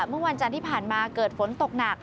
เมื่อวันจันทร์ที่ผ่านมาเกิดฝนตกหนัก